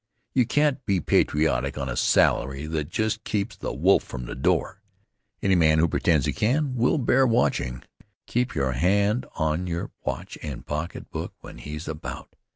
You can't be patriotic on a salary that just keeps the wolf from the door. Any man who pretends he can will bear watchin'. Keep your hand on your watch and pocketbook when he's about.